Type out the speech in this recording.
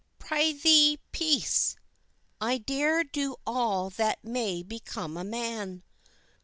] "Prithee, peace! I dare do all that may become a man.